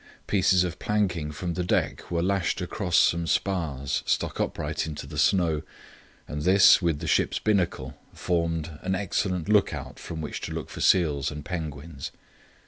Pieces of planking from the deck were lashed across some spars stuck upright into the snow, and this, with the ship's binnacle, formed an excellent look out from which to look for seals and penguins.